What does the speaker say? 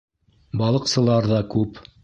Балыҡсылар ҙа күп.